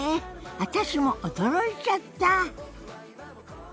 私も驚いちゃった！